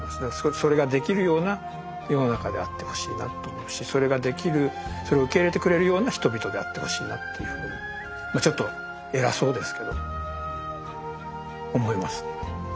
それができるような世の中であってほしいなと思うしそれができるそれを受け入れてくれるような人々であってほしいなというふうにちょっと偉そうですけど思います。